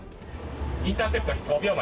インターセプト５秒前。